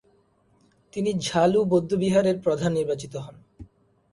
তিনি ঝ্বা-লু বৌদ্ধবিহারের প্রধান নির্বাচিত হন।